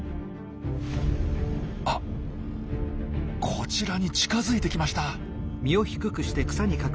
こちらに近づいてきました。